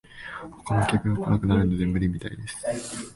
他の客が来なくなるので無理みたいです